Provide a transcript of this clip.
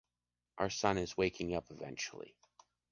Our son is waking up eventually.